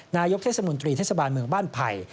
นายกเทศบาลเมืองบ้านไผ่